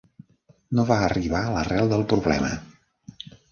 No va arribar a l'arrel del problema.